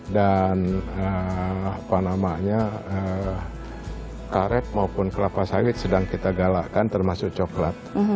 dan karet maupun kelapa sawit sedang kita galakkan termasuk coklat